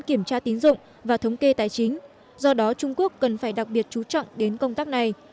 kiểm tra tín dụng và thống kê tài chính do đó trung quốc cần phải đặc biệt chú trọng đến công tác này